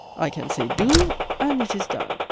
I can say, do! and it is done.